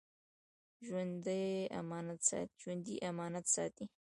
ژوندي امانت ساتي